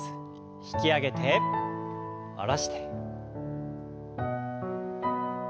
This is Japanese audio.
引き上げて下ろして。